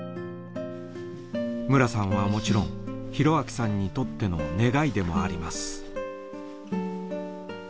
ムラさんはもちろん博昭さんにとっての願いでもあります。